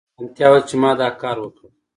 هغه په حیرانتیا وویل چې ما دا کار وکړ